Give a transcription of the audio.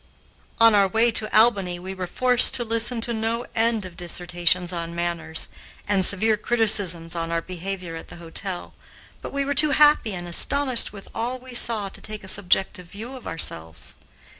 On our way to Albany we were forced to listen to no end of dissertations on manners, and severe criticisms on our behavior at the hotel, but we were too happy and astonished with all we saw to take a subjective view of ourselves.